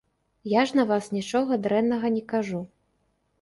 Я ж на вас нічога дрэннага не кажу.